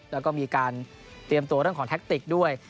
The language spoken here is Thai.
แล้วก็มีการเตรียมตัวเรื่องของแท็กติกด้วย